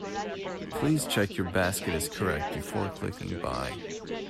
Please check your basket is correct before clicking buy.